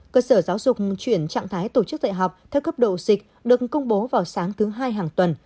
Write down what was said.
cơ sở giáo dục chuyển trạng thái tổ chức dạy học theo cấp độ dịch được công bố vào sáng thứ hai hàng tuần